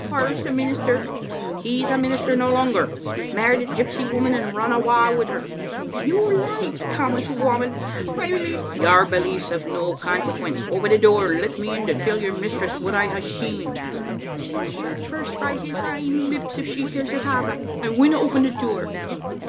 " Whaur's the minister?" " He's a minister no longer. He's married a gypsy woman and run awa wi' her." " You lie, Tammas Whamond. I believe " "Your belief's of no consequence. Open the door, and let me in to tell your mistress what I hae seen." "She'll hear it first frae his ain lips if she hears it ava. I winna open the door."